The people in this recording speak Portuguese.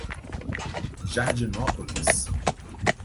Jardinópolis